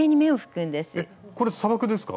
えっこれ砂漠ですか？